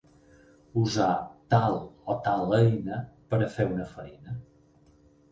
Usar tal o tal eina per a fer una feina.